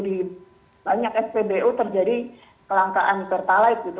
di banyak spbu terjadi kelangkaan pertalite gitu